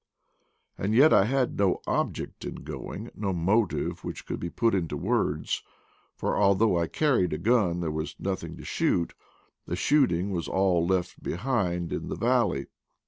And yet I had no object in going no motive which could be put into words; for although I carried a gun, there was nothing to shoot— the shooting was all left behind in the val 206 IDLE DAYS IN PATAGONIA ley.